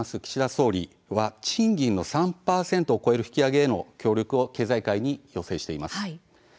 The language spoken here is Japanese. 岸田総理は賃金の３％を超える引き上げへの協力を経済界に要請しています。